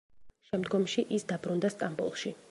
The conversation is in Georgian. შემდგომში, ის დაბრუნდა სტამბოლში.